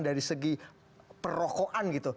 dari segi perrokoan gitu